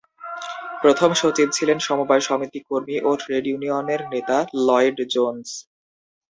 প্রথম সচিব ছিলেন সমবায় সমিতি কর্মী ও ট্রেড ইউনিয়ন নেতা লয়েড জোন্স।